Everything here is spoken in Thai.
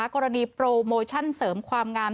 กรณีโปรโมชั่นเสริมความงาม